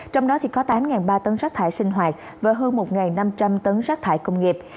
trong đó có tám ba tấn rác thải sinh hoạt và hơn một năm trăm linh tấn rác thải công nghiệp